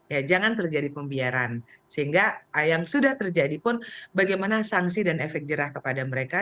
ya jangan terjadi pembiaran sehingga yang sudah terjadi pun bagaimana sanksi dan efek jerah kepada mereka